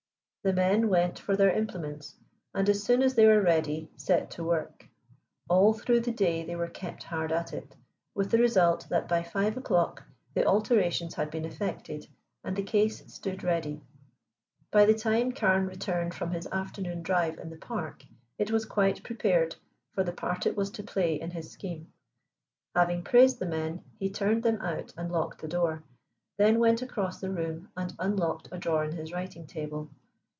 The men went for their implements, and as soon as they were ready set to work. All through the day they were kept hard at it, with the result that by five o'clock the alterations had been effected and the case stood ready. By the time Carne returned from his afternoon drive in the Park it was quite prepared for the part it was to play in his scheme. Having praised the men, he turned them out and locked the door, then went across the room and unlocked a drawer in his writing table.